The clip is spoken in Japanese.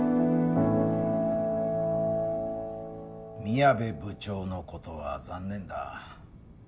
宮部部長の事は残念だ。